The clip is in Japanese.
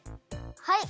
はい。